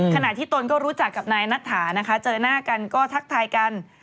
ขณะที่ตนก็รู้จักกับนายนัทถานะคะเจอหน้ากันก็ทักทายกัน